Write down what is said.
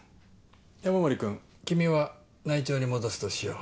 山守君君は内調に戻すとしよう。